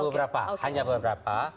enggak hanya beberapa